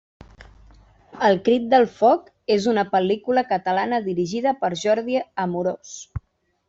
El crit del foc és una pel·lícula catalana dirigida per Jordi Amorós.